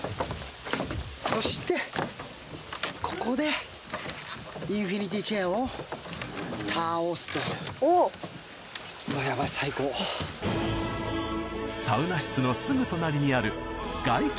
そしてここでインフィニティチェアを倒すとサウナ室のすぐ隣にある外気